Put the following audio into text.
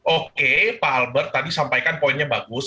oke pak albert tadi sampaikan poinnya bagus